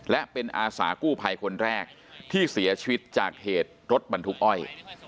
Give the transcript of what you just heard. และเป็นอาสากู้ภัยคนแรกที่เสียชีวิตจากเหตุรถบรรทุกอ้อย